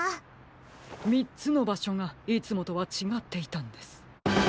３つのばしょがいつもとはちがっていたんです！